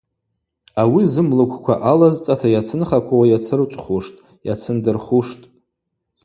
Ауи зымлыквква алазцӏата йацынхаквауа йацырчӏвхуштӏ, йацындырхуштӏ.